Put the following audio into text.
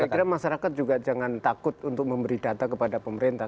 saya kira masyarakat juga jangan takut untuk memberi data kepada pemerintah